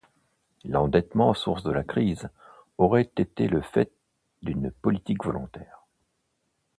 L'endettement, source de la crise, aurait été le fait d'une politique volontaire.